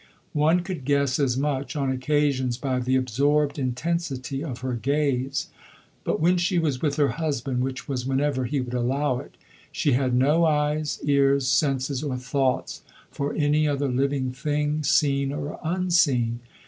One could guess as much, on occasions, by the absorbed intensity of her gaze. But when she was with her husband (which was whenever he would allow it) she had no eyes, ears, senses or thoughts for any other living thing, seen or unseen.